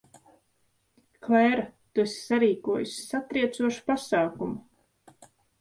Klēra, tu esi sarīkojusi satriecošu pasākumu.